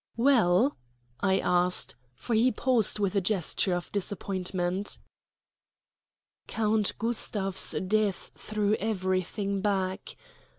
"Well?" I asked, for he paused with a gesture of disappointment. "Count Gustav's death threw everything back.